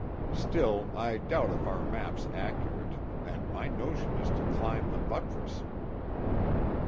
Still I doubt if our map's accurate, and my notion is to climb the buttress."